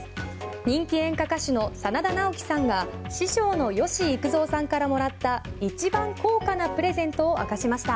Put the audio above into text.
人気演歌歌手の真田ナオキさんが師匠の吉幾三さんからもらった一番高価なプレゼントを明かしました。